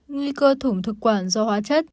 nguy cơ thủm thực quản do hóa chất